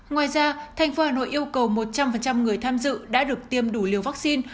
ngoài ra thành phố hà nội yêu cầu một trăm linh người tham dự đã được tiêm đủ liều vaccine